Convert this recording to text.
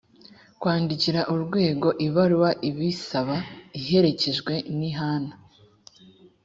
kwandikira urwego ibaruwa ibisaba iherekejwe nihana